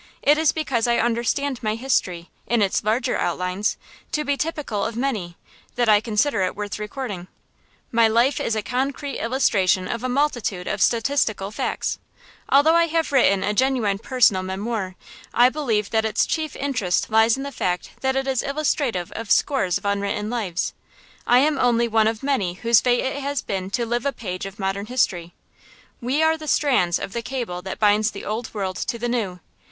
It is because I understand my history, in its larger outlines, to be typical of many, that I consider it worth recording. My life is a concrete illustration of a multitude of statistical facts. Although I have written a genuine personal memoir, I believe that its chief interest lies in the fact that it is illustrative of scores of unwritten lives. I am only one of many whose fate it has been to live a page of modern history. We are the strands of the cable that binds the Old World to the New.